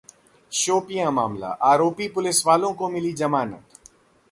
शोपियां मामला: आरोपी पुलिसवालों को मिली जमानत